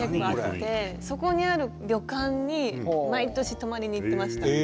そこにある旅館に毎年泊まりに行ってました。